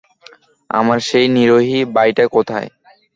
আমার সেই নিরীহ ভাইটা কোথায়?